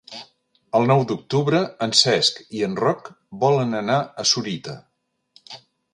El nou d'octubre en Cesc i en Roc volen anar a Sorita.